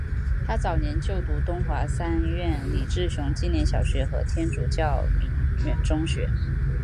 他早年就读东华三院李志雄纪念小学和天主教鸣远中学。